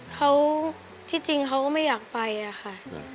เขาที่จริงเขาก็ไม่อยากไปอะค่ะ